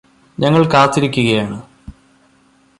ഞങ്ങൾ കാത്തിരിക്കുകയാണ്